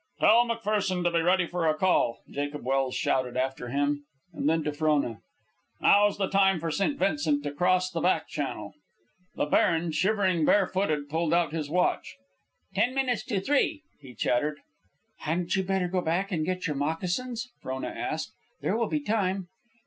"Tell McPherson to be ready for a call," Jacob Welse shouted after him. And then to Frona, "Now's the time for St. Vincent to cross the back channel." The baron, shivering barefooted, pulled out his watch. "Ten minutes to three," he chattered. "Hadn't you better go back and get your moccasins?" Frona asked. "There will be time."